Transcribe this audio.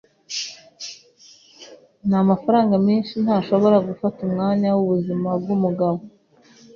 N'amafaranga menshi ntashobora gufata umwanya wubuzima bwumugabo.